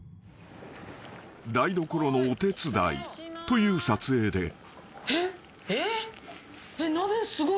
［台所のお手伝いという撮影で］